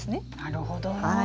なるほどな。